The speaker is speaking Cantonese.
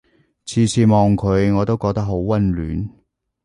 次次望佢我都覺得好溫暖